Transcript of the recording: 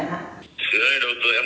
thưa anh đầu tư em đang